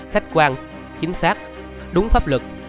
khách quan chính xác đúng pháp lực